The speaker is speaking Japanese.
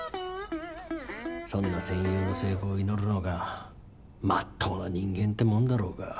そんな戦友の成功を祈るのがまっとうな人間ってもんだろうが。